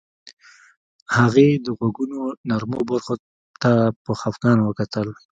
هغې د غوږونو نرمو برخو ته په خفګان وکتل